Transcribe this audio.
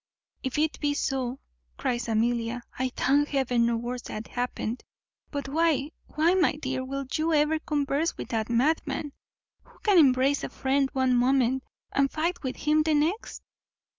"If it be so," cries Amelia, "I thank Heaven no worse hath happened; but why, my dear, will you ever converse with that madman, who can embrace a friend one moment, and fight with him the next?"